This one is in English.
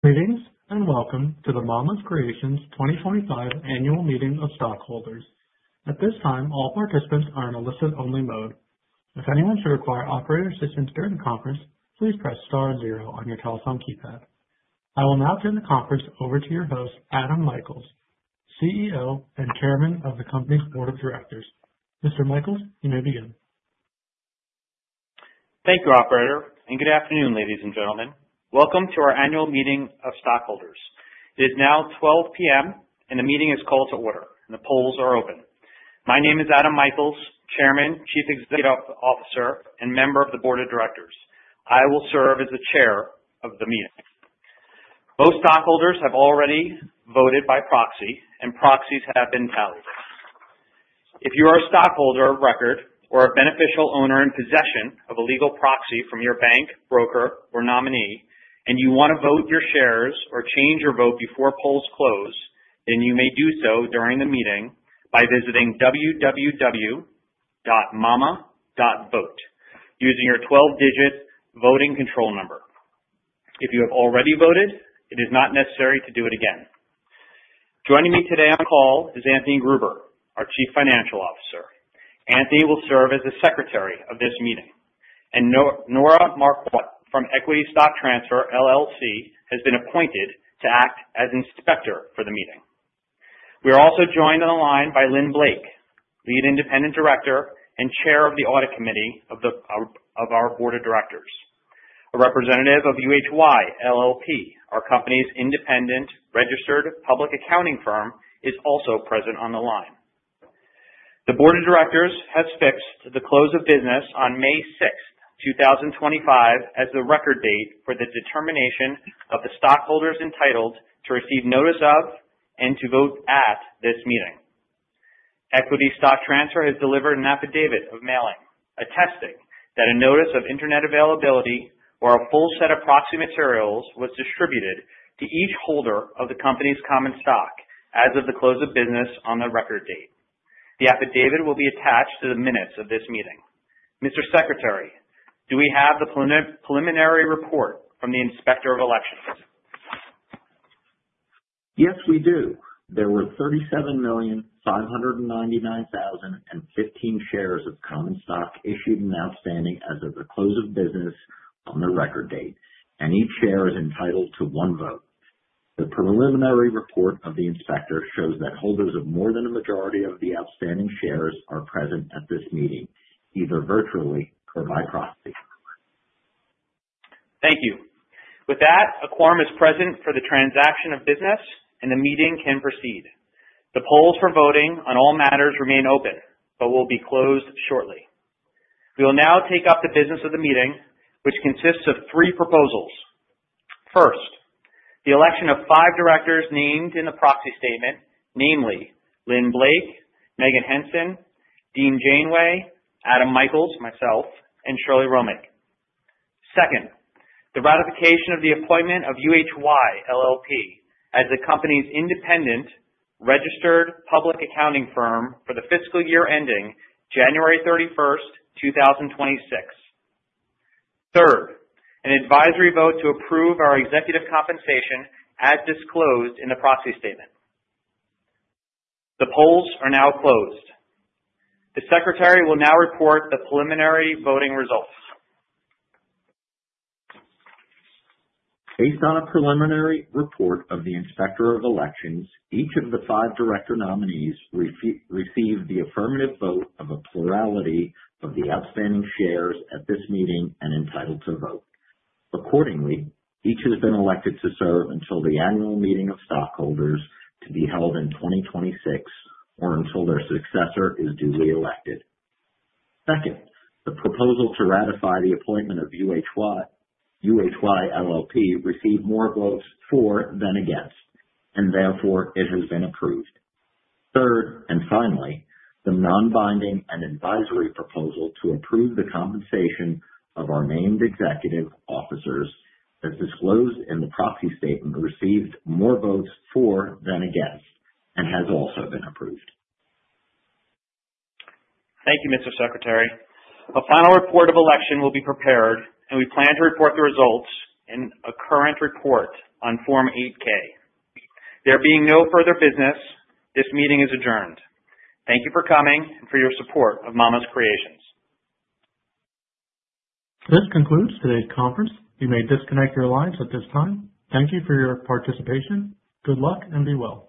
Greetings and welcome to the Mama's Creations 2025 Annual Meeting of Stockholders. At this time, all participants are in a listen-only mode. If anyone should require operator assistance during the conference, please press star zero on your telephone keypad. I will now turn the conference over to your host, Adam Michaels, CEO and Chairman of the Company's Board of Directors. Mr. Michaels, you may begin. Thank you, Operator, and good afternoon, ladies and gentlemen. Welcome to our Annual Meeting of Stockholders. It is now 12:00 P.M., and the meeting is called to order, and the polls are open. My name is Adam Michaels, Chairman, Chief Executive Officer, and Member of the Board of Directors. I will serve as the Chair of the meeting. Most stockholders have already voted by proxy, and proxies have been validated. If you are a stockholder of record or a beneficial owner in possession of a legal proxy from your bank, broker, or nominee, and you want to vote your shares or change your vote before polls close, then you may do so during the meeting by visiting www.mama.vote using your 12-digit voting control number. If you have already voted, it is not necessary to do it again. Joining me today on call is Anthony Gruber, our Chief Financial Officer. Anthony will serve as the Secretary of this meeting, and Nora Markwhite from Equity Stock Transfer LLC has been appointed to act as Inspector for the meeting. We are also joined on the line by Lynn Blake, Lead Independent Director and Chair of the Audit Committee of our Board of Directors. A representative of UHY LLP, our company's independent registered public accounting firm, is also present on the line. The Board of Directors has fixed the close of business on May six, 2025, as the record date for the determination of the stockholders entitled to receive notice of and to vote at this meeting. Equity Stock Transfer has delivered an affidavit of mailing attesting that a notice of internet availability or a full set of proxy materials was distributed to each holder of the company's common stock as of the close of business on the record date. The affidavit will be attached to the minutes of this meeting. Mr. Secretary, do we have the preliminary report from the Inspector of Elections? Yes, we do. There were 37,599,015 shares of common stock issued and outstanding as of the close of business on the record date, and each share is entitled to one vote. The preliminary report of the Inspector shows that holders of more than a majority of the outstanding shares are present at this meeting, either virtually or by proxy. Thank you. With that, a quorum is present for the transaction of business, and the meeting can proceed. The polls for voting on all matters remain open, but will be closed shortly. We will now take up the business of the meeting, which consists of three proposals. First, the election of five directors named in the proxy statement, namely Lynn Blake, Megan Henson, Dean Janeway, Adam Michaels, myself, and Shirley Romick. Second, the ratification of the appointment of UHY LLP as the company's independent registered public accounting firm for the fiscal year ending January 31st, 2026. Third, an advisory vote to approve our executive compensation as disclosed in the proxy statement. The polls are now closed. The Secretary will now report the preliminary voting results. Based on a preliminary report of the Inspector of Elections, each of the five director nominees received the affirmative vote of a plurality of the outstanding shares at this meeting and entitled to vote. Accordingly, each has been elected to serve until the Annual Meeting of Stockholders to be held in 2026 or until their successor is duly elected. Second, the proposal to ratify the appointment of UHY LLP received more votes for than against, and therefore it has been approved. Third and finally, the non-binding and advisory proposal to approve the compensation of our named executive officers as disclosed in the proxy statement received more votes for than against and has also been approved. Thank you, Mr. Secretary. A final report of election will be prepared, and we plan to report the results in a current report on Form 8-K. There being no further business, this meeting is adjourned. Thank you for coming and for your support of Mama's Creations. This concludes today's conference. You may disconnect your lines at this time. Thank you for your participation. Good luck and be well.